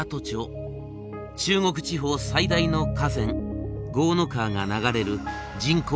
中国地方最大の河川江の川が流れる人口